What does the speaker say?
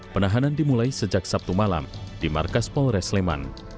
penahanan dimulai sejak sabtu malam di markas polres sleman